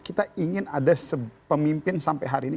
kita ingin ada pemimpin sampai hari ini